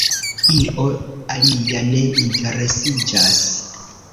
Io alia ne interesiĝas.